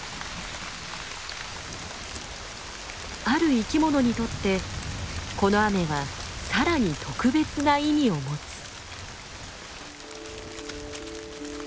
ある生きものにとってこの雨はさらに特別な意味を持つ。